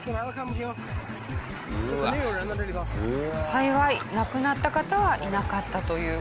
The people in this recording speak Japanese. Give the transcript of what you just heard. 幸い亡くなった方はいなかったという事です。